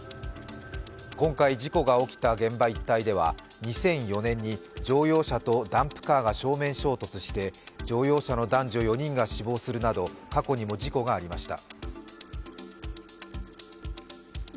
今回、事故が起きた現場一帯では２００４年に乗用車とダンプカーが正面衝突して乗用車の男女４人が死亡するなど過去にも事故がありました。